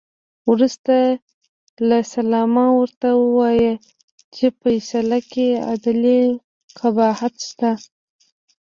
وروسته له سلامه ورته ووایه چې په فیصله کې عدلي قباحت شته.